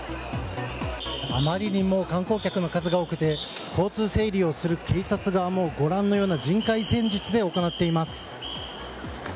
あまりにも観光客の数が多くて交通整理をする警察がご覧のような人海戦術で行っています。